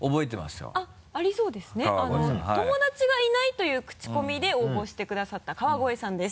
友達がいないというクチコミで応募してくださった川越さんです。